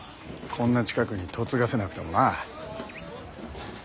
こんな近くに嫁がせなくてもな。